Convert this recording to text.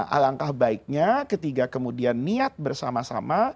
alangkah baiknya ketika kemudian niat bersama sama